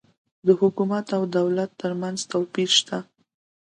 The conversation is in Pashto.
د حکومت او دولت ترمنځ توپیر سته